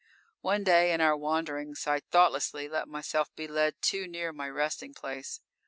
_ _One day, in our wanderings, I thoughtlessly let myself be led too near my resting place.